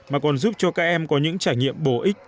mà còn giúp cho các em có những trải nghiệm bổ ích